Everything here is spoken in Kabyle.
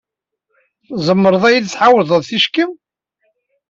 Tzemreḍ ad iyi-d-tɛawdeḍ ticki?